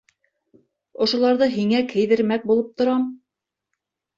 - Ошоларҙы һиңә кейҙермәк булып торам.